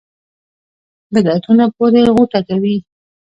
بدعتونو پورې غوټه کوي.